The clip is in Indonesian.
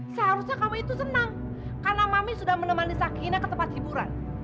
seharusnya kamu itu senang karena mami sudah menemani sakina ke tempat hiburan